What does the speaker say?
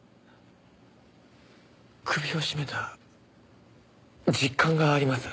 首を絞めた実感があります。